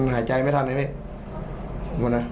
ห้ามกันครับผม